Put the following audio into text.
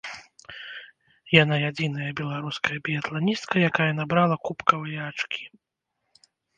Яна адзіная беларуская біятланістка, якая набрала кубкавыя ачкі.